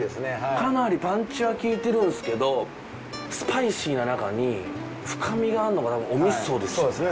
かなりパンチは効いてるんですけどスパイシーな中に深みがあるのがお味噌ですよね。